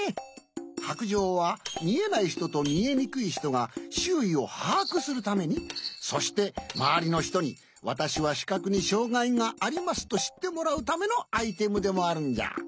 白杖はみえないひととみえにくいひとがしゅういをはあくするためにそしてまわりのひとに「わたしはしかくにしょうがいがあります」としってもらうためのアイテムでもあるんじゃ。